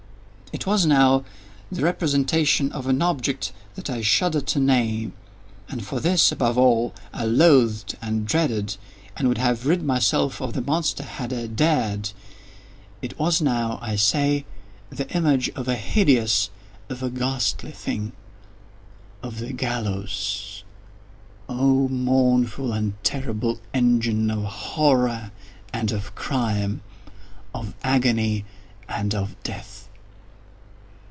It was now the representation of an object that I shudder to name—and for this, above all, I loathed, and dreaded, and would have rid myself of the monster had I dared—it was now, I say, the image of a hideous—of a ghastly thing—of the GALLOWS!—oh, mournful and terrible engine of Horror and of Crime—of Agony and of Death!